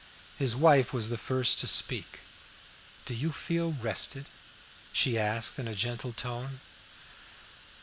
His wife was the first to speak. "Do you feel rested?" she asked in a gentle tone.